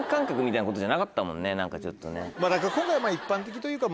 一般的というか。